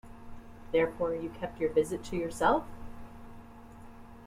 Therefore you kept your visit to yourself?